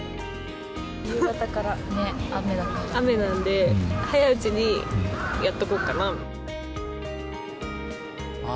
夕方から雨なんで、早いうちにやっとこうかなみたいな。